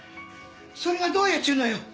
それがどうやっちゅうのよ！